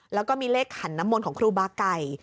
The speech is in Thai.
แล้วก็มีเลขขันน้ำมนต์ของครูบาไก่